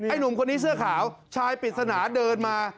หนุ่มคนนี้เสื้อขาวชายปริศนาเดินมา